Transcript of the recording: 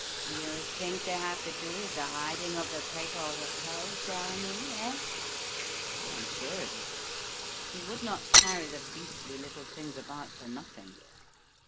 "You think they have to do with the hiding of the paper or the pearl, cher ami? Eh?" "I am sure of it. He would not carry the beastly little things about for nothing."